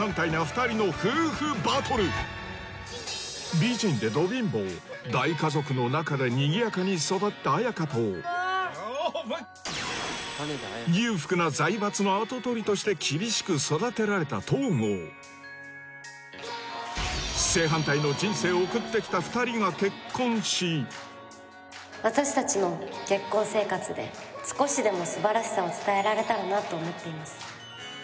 美人でド貧乏大家族の中でにぎやかに育った綾華と裕福な正反対の人生を送ってきた２人が結婚し私たちの結婚生活で少しでも素晴らしさを伝えられたなと思っています